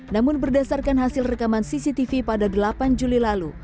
namun berdasarkan hasil rekaman cctv pada delapan juli lalu